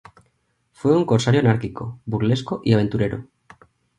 Fue un corsario anárquico, burlesco y aventurero.